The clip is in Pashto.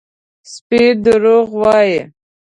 _سپی دروغ وايي!